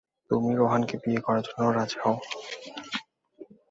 তুমি রোহানকে বিয়ে করার জন্য রাজি হও।